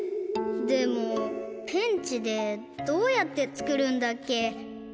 でもペンチでどうやってつくるんだっけ？